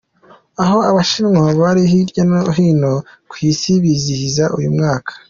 Aho abashinwa bari hirya ni hino ku isi bizihiza uyu mwaka.